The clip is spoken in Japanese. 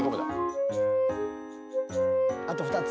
あと２つ。